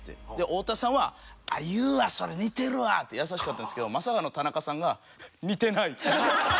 太田さんは「言うわそれ。似てるわ」って優しかったんですけどまさかの田中さんが。